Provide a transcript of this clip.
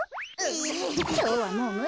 きょうはもうむりよね。